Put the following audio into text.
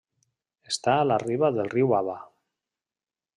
Està a la riba del riu Aba.